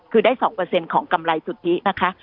คือได้สองเปอร์เซ็นต์ของกำไรจุดที่นะคะ